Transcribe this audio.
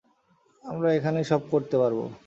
আমরা এখানেই সব করতে পারব।